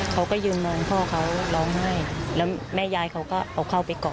เขาก็ยืนนอนพ่อเขาร้องไห้แล้วแม่ยายเขาก็เอาเข้าไปกอด